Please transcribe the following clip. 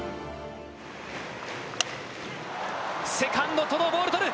セカンド、ボールをとる。